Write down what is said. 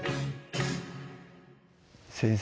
先生